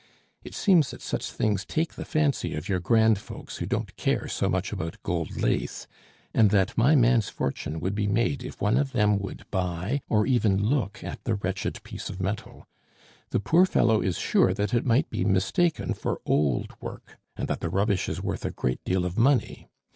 It seems that such things take the fancy of your grand folks, who don't care so much about gold lace, and that my man's fortune would be made if one of them would buy or even look at the wretched piece of metal. The poor fellow is sure that it might be mistaken for old work, and that the rubbish is worth a great deal of money.